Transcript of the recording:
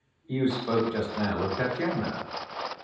You spoke just now of Tatyana."